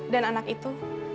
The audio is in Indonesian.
dan anak itu